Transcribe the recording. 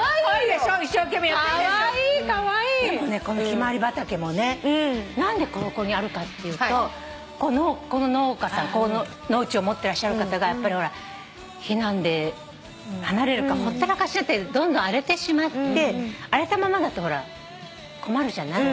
でもねこのヒマワリ畑もね何でここにあるかっていうとここの農家さんここの農地を持ってらっしゃる方が避難で離れるからほったらかしになってどんどん荒れてしまって荒れたままだと困るじゃない。